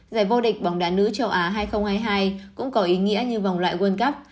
giải vô địch bóng đá nữ châu á hai nghìn hai mươi hai cũng có ý nghĩa như vòng loại world cup